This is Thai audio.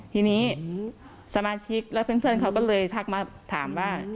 ทีนี้สมาชิกและเพื่อนเขาก็เลยทักมาถามว่า